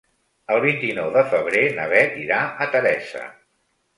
El vint-i-nou de febrer na Beth irà a Teresa.